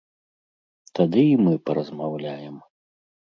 Тады і мы паразмаўляем.